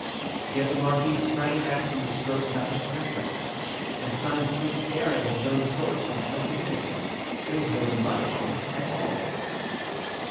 Yet the Marquis sprang back from the stroke without a stagger, and Syme stood staring at his own sword point like an idiot. There was no blood on it at all.